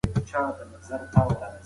که تاسي غواړئ روغ پاتې شئ، نو چای مه څښئ.